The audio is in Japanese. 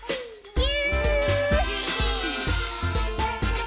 ぎゅ。